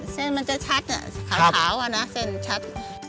เส้นมันจะชักขาวอะนะเส้นชัก